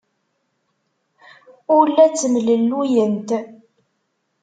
Ur la ttemlelluyent.